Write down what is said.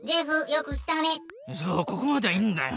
そうここまではいいんだよ。